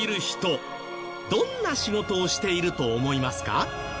どんな仕事をしていると思いますか？